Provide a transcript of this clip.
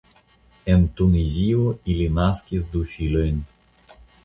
En Tunizio ili naskis du filojn.